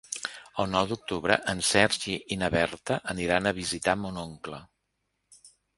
El nou d'octubre en Sergi i na Berta aniran a visitar mon oncle.